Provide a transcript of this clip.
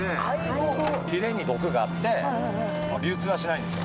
ひれに毒があって、流通はしないんですよ。